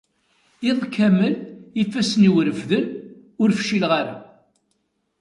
Iḍ kammel, ifassen-iw refden, ur fcileɣ ara.